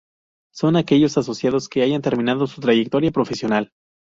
Son aquellos asociados que hayan terminado su trayectoria profesional.